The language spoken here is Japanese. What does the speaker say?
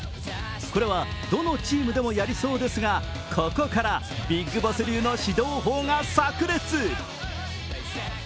これはどのチームでもやりそうですがここからビッグボス流の指導方法が炸裂。